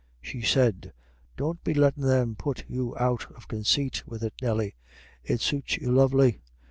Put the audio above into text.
She said: "Don't be lettin' them put you out of consait with it, Nelly; it suits you lovely.